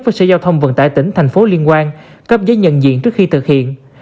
với sở giao thông vận tải tỉnh thành phố liên quan cấp giấy nhận diện trước khi thực hiện